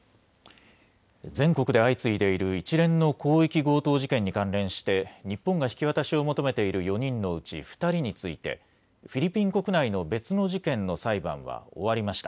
全国で相次いでいる一連の広域強盗事件に関連して日本が引き渡しを求めている４人のうち２人についてフィリピン国内の別の事件の裁判は終わりました。